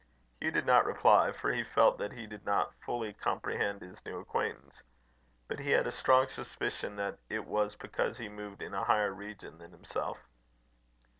Hugh did not reply, for he felt that he did not fully comprehend his new acquaintance. But he had a strong suspicion that it was because he moved in a higher region than himself.